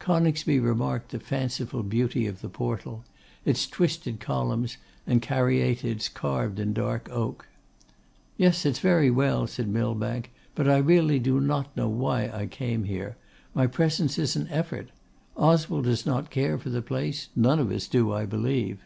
Coningsby remarked the fanciful beauty of the portal; its twisted columns, and Caryatides carved in dark oak. 'Yes, it's very well,' said Millbank; 'but I really do not know why I came here; my presence is an effort. Oswald does not care for the place; none of us do, I believe.